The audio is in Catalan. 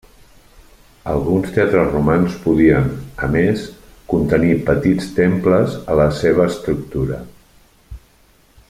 Alguns teatres romans podien, a més, contenir petits temples a la seva estructura.